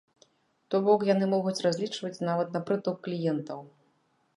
То бок, яны могуць разлічваць нават на прыток кліентаў.